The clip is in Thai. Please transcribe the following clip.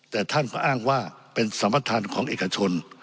แต่ท่านก็อ้างว่าเป็นสัมประธานของเอกชน